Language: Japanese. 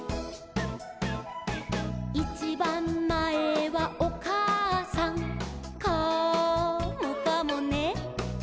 「いちばんまえはおかあさん」「カモかもね」